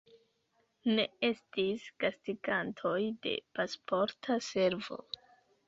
Ne estis gastigantoj de Pasporta Servo.